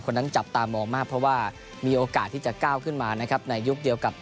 นั้นจับตามองมากเพราะว่ามีโอกาสที่จะก้าวขึ้นมานะครับในยุคเดียวกับ